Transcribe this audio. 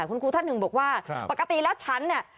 คุณครูท่านหนึ่งบอกว่าปกติแล้วฉันเนี่ย